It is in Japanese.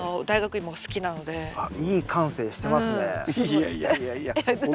いやいやいやいや。